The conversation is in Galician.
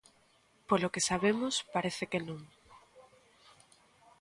Polo que sabemos, parece que non.